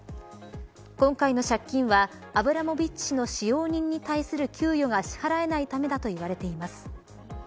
今回の借金はアブラモビッチ氏の使用人に対する給与が支払えないためだと言われています。